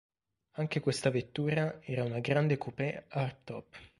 Anche questa vettura era una grande coupé hardtop.